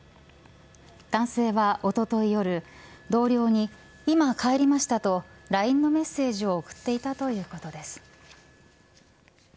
男性はおととい夜同僚に、今帰りましたとＬＩＮＥのメッセージを送っていたということです。